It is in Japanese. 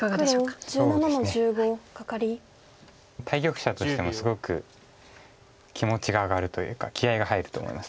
対局者としてもすごく気持ちが上がるというか気合いが入ると思います。